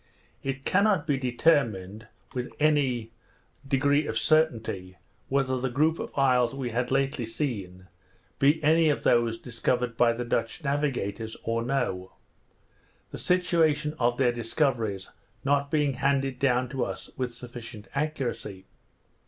It cannot be determined with any degree of certainty whether the group of isles we had lately seen, be any of those discovered by the Dutch navigators, or no; the situation of their discoveries not being handed down to us with sufficient accuracy.